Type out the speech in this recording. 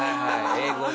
英語で。